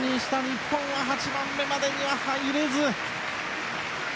日本は８番目までには入れず。